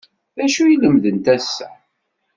D acu i lemdent ass-a?